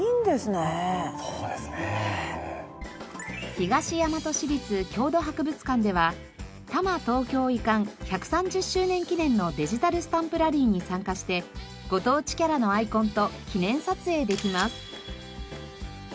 東大和市立郷土博物館では多摩東京移管１３０周年記念のデジタルスタンプラリーに参加してご当地キャラのアイコンと記念撮影できます。